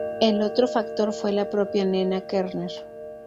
El otro factor fue la propia Nena Kerner.